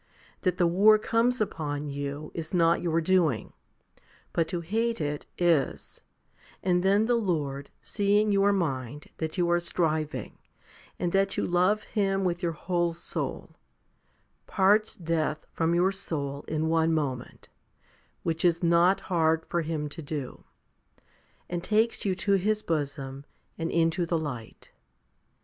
That the war comes upon you is not your doing, but to hate it, is ; and then the Lord, seeing your mind, that you are striving, and that you love Him with your whole soul, parts death from your soul in one moment which is not hard for Him to do and takes you to His bosom and into the light.